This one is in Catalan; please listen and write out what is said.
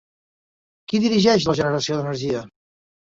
Qui dirigeix la generació d'energia?